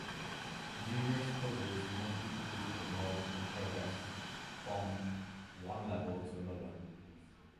Numerous puzzles must be completed in order to progress from one level to another.